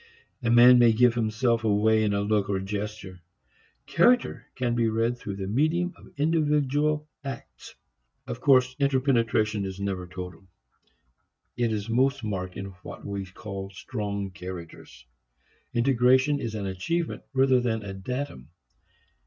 A man may give himself away in a look or a gesture. Character can be read through the medium of individual acts. Of course interpenetration is never total. It is most marked in what we call strong characters. Integration is an achievement rather than a datum.